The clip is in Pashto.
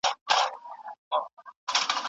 خو یوازې یوه مانا یې تر ټولو خوږه ده،